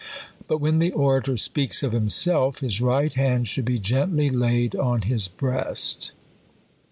But when the orator sp«alcs ©f himself, his right hand should be gently laid on his breast.